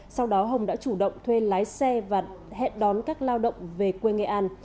sau đó hồng đã chủ động thuê lái xe và hẹn đón các lao động về quê nghệ an